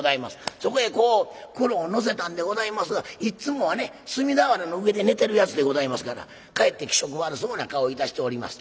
そこへこうクロを乗せたんでございますがいっつもはね炭俵の上で寝てるやつでございますからかえって気色悪そうな顔をいたしております。